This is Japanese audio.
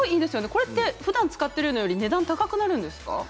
これってふだん使っているものより値段が高くなるんですか。